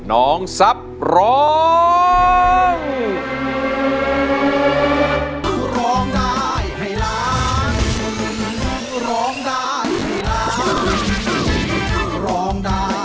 น้องซับร้อง